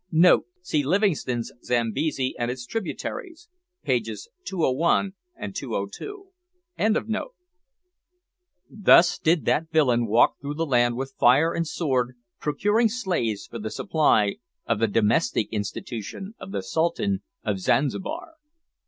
[See Livingstone's Zambesi and its Tributaries, pages 201, 202.] Thus did that villain walk through the land with fire and sword procuring slaves for the supply of the "domestic institution" of the Sultan of Zanzibar.